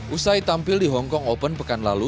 usai tampil di hongkong open pekan lalu